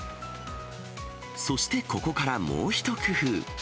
そしてここからもう一工夫。